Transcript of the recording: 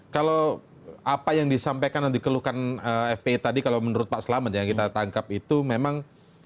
kalau apa yang disampaikan dan dikeluhkan fpi tadi kalau menurut pak selamat yang kita tangkap itu memang